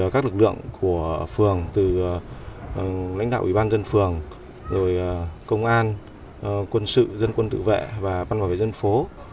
các lực lượng của phường từ lãnh đạo ủy ban dân phường công an quân sự dân quân tự vệ và văn bảo về dân phố